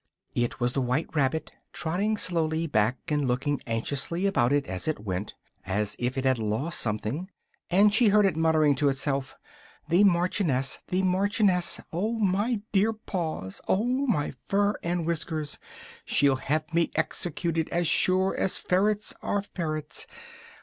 It was the white rabbit, trotting slowly back again, and looking anxiously about it as it went, as if it had lost something, and she heard it muttering to itself "the Marchioness! the Marchioness! oh my dear paws! oh my fur and whiskers! She'll have me executed, as sure as ferrets are ferrets!